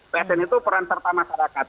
psn itu peran serta masyarakat